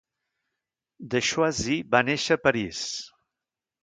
De Choisy va néixer a París.